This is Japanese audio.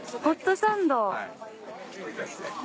ホットサンド。